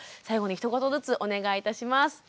最後にひと言ずつお願いいたします。